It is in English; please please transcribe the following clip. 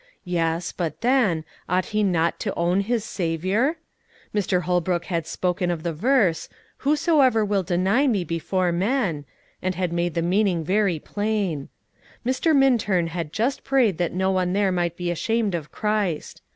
Yes, but then, ought he not to own his Saviour? Mr. Holbrook had spoken of the verse, "Whosoever will deny me before men," and had made the meaning very plain. Mr. Minturn had just prayed that no one there might be ashamed of Christ.